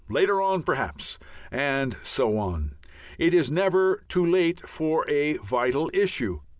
Later on perhaps. And so on. It is never too late for a vital issue.